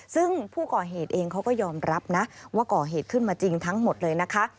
ซึ่งผู้ก่อเหตุเองเขาก็ยอมรับนะว่าก่อเหตุขึ้นมาจริงทั้งหมดเลยนะคะ